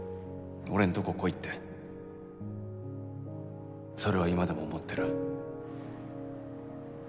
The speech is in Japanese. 俺んとこ来いってそれは今でも思ってる。